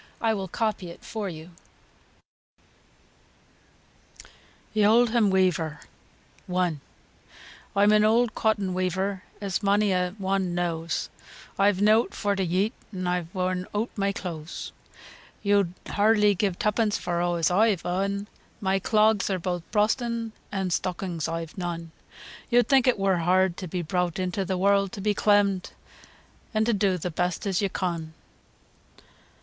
I will copy it for you. THE OLDHAM WEAVER. I. Oi'm a poor cotton weyver, as mony a one knoowas, Oi've nowt for t' yeat, an' oi've woorn eawt my clooas, Yo'ad hardly gi' tuppence for aw as oi've on, My clogs are boath brosten, an' stuckins oi've none, Yo'd think it wur hard, To be browt into th' warld, To be clemmed, an' do th' best as yo con.